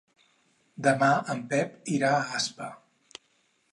Demà en Pep irà a Aspa.